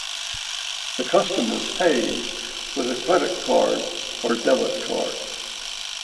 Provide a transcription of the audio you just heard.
The customer pays with a credit card or debit card.